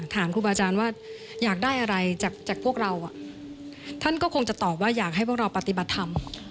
ถามครูบาอาจารย์ว่าอยากได้อะไรจากพวกเราท่านก็คงจะตอบว่าอยากให้พวกเราปฏิบัติธรรม